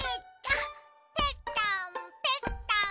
ぺったんぺったん。